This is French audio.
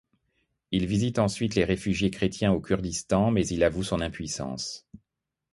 Il visite ensuite les réfugiés chrétiens au Kurdistan, mais il avoue son impuissance.